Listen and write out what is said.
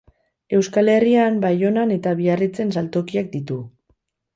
Euskal Herrian, Baionan eta Biarritzen saltokiak ditu.